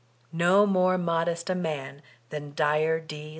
No more modest a man than Dyer D.